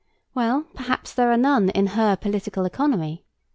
Well, perhaps there are none—in her political economy.